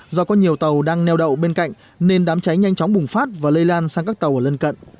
do có nhiều tàu đang neo đậu bên cạnh nên đám cháy nhanh chóng bùng phát và lây lan sang các tàu ở lân cận